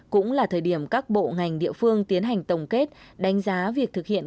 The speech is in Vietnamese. cũng là thời điểm các bộ ngành địa phương tiến hành tổng kết đánh giá việc thực hiện